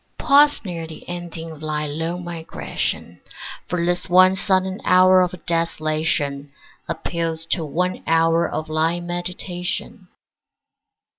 Pause near the ending of thy long migration; For this one sudden hour of desolation Appeals to one hour of thy meditation.